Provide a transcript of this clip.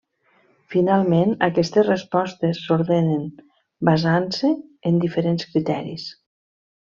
Finalment, aquestes respostes s'ordenen basant-se en diferents criteris.